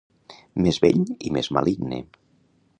Més vell i més maligne.